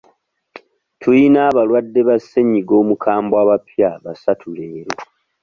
Tuyina abalwadde ba ssenyiga omukambwe abapya basatu leero.